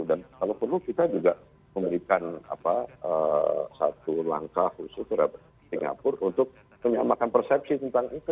dan kalau perlu kita juga memberikan satu langkah khususnya singapura untuk menyelamatkan persepsi tentang itu